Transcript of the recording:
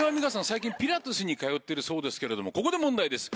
最近ピラティスに通っているそうですけれどもここで問題です